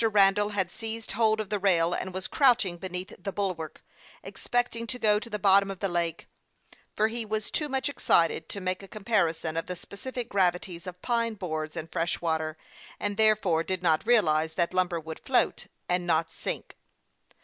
Randall had seized hold of the rail, and was crouching beneath the bulwark, expecting to go to the bottom of the lake, for he was too much excited to make a com parison of the specific gravities of pine boards and fresh water, and therefore did not realize that lum ber would float, and not sink.